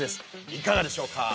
いかがでしょうか？